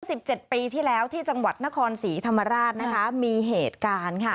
สิบเจ็ดปีที่แล้วที่จังหวัดนครศรีธรรมราชนะคะมีเหตุการณ์ค่ะ